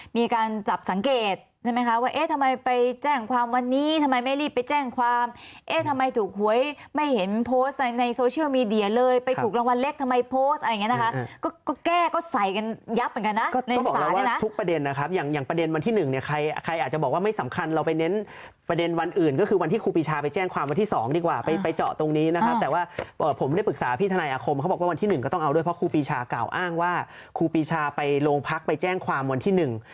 มีการจับสังเกตใช่ไหมคะว่าเอ๊ะทำไมไปแจ้งความวันนี้ทำไมไม่รีบไปแจ้งความเอ๊ะทำไมถูกหวยไม่เห็นโพสต์ในโซเชียลมีเดียเลยไปถูกรางวัลเล็กทำไมโพสต์อะไรอย่างนี้นะคะก็แก้ก็ใส่กันยับเหมือนกันนะก็บอกแล้วว่าทุกประเด็นนะครับอย่างประเด็นวันที่หนึ่งใครอาจจะบอกว่าไม่สำคัญเราไปเน้นประเด็นวันอื่นก็คือวันท